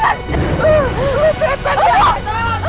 kamu jangan nangis lagi ya